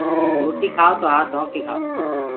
روٽي ڪآئو تو هآت ڌو ڪي کآئو